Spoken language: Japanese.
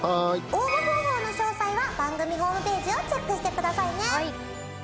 応募方法の詳細は番組ホームページをチェックしてくださいね。